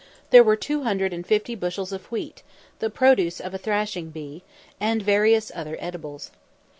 There were two hundred and fifty bushels of wheat, the produce of a "thrashing bee," and various other edibles.